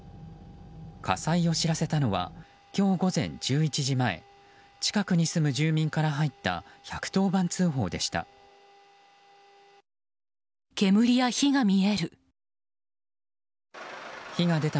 火災を知らせたのは今日午前１１時前近くに住む住民から入った１１０番通報でした。